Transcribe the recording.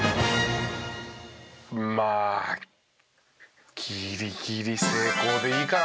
まあギリギリ成功でいいかな。